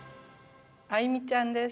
愛実ちゃんです。